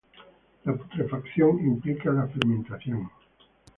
La putrefacción implica la fermentación.